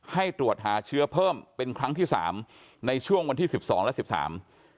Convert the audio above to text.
ให้ตรวจหาเชื้อเพิ่มเป็นครั้งที่สามในช่วงวันที่สิบสองและสิบสาม